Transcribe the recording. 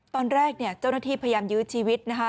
ตอนแรกเนี่ยเจ้าหน้าที่พยายามยื้อชีวิตนะคะ